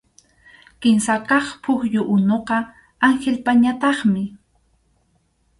Kimsa kaq pukyu unuqa Anhilpañataqmi.